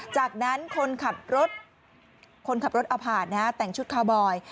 จากนั้นคนขับรถเอาผ่าแต่งชุดคาวบอย